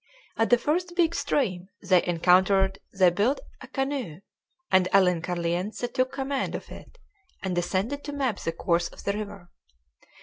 At the first big stream they encountered they built a canoe, and Alencarliense took command of it and descended to map the course of the river.